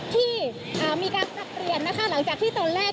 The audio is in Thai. ที่มีการสับเปลี่ยนนะคะหลังจากที่ตอนแรก